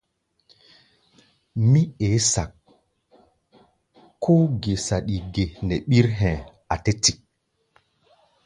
Mí eé sak, kóó gé saɗi ge nɛ ɓír hɛ̧ɛ̧, a̧ tɛ́ tik.